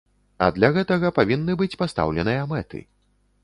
А для гэтага павінны быць пастаўленыя мэты.